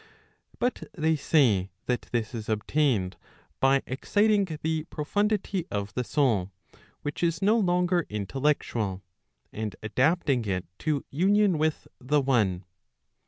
But they say that this is obtained by exciting the profundity of the soul, which is no longer intellectual, and adapting it to union with the one.